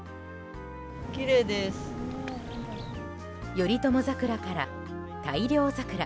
頼朝桜から大漁桜。